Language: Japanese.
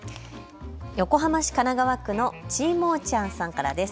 横浜市神奈川区のちーもーちゃんさんからです。